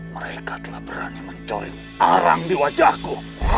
mereka telah berani mencoret arang di wajahku